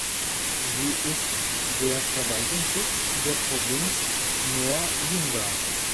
Sie ist der Verwaltungssitz der Provinz Nor Yungas.